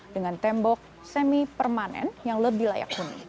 dengan tembok semi permanen yang lebih layak huni